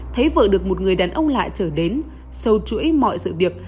thấy vợ được một người đàn ông lạ trở đến sâu chuỗi mọi sự việc